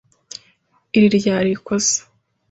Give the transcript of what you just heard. Iri ryari ikosa